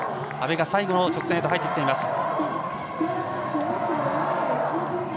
阿部が最後の直線に入っています。